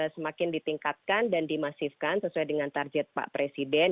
semakin ditingkatkan dan dimasifkan sesuai dengan target pak presiden